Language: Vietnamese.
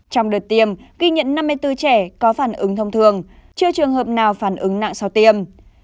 trong đợt tiêm ghi nhận năm mươi bốn trẻ có phản ứng thông thường chưa trường hợp nào phản ứng nặng sau tiêm